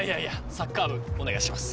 サッカー部お願いします。